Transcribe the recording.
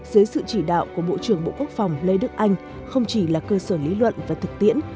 dưới sự chỉ đạo của bộ trưởng bộ quốc phòng lê đức anh không chỉ là cơ sở lý luận và thực tiễn